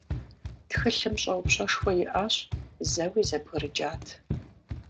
Тхылъым щӀэупщӀэшхуэ иӀащ, зэуи зэбгрыкӀат.